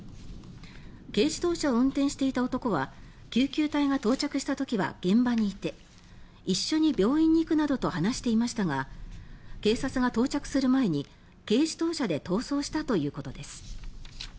軽自動車を運転していた男は救急隊が到着した時は現場にいて一緒に病院に行くなどと話していましたが警察が到着する前に軽自動車で逃走したということです。